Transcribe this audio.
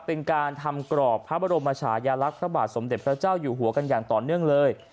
เป็นการทำกรอบพระบรมชายลักษณ์พระบาทสมเด็จพระเจ้าอยู่หัวกันอย่างต่อเนื่องเลย